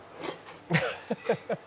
ハハハハ！